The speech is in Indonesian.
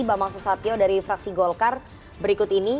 bambang susatyo dari fraksi golkar berikut ini